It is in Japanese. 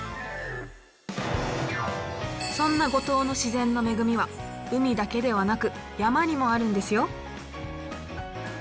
そんな五島の自然の恵みは海だけではなく山にもあるんですよ。